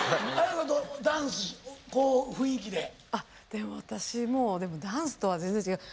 でも私もでもダンスとは全然違う。